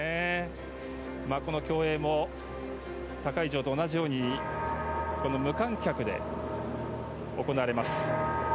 この競泳も他会場と同じように無観客で行われます。